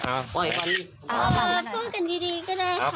เอาไปลงไปดีก็ได้ค่ะ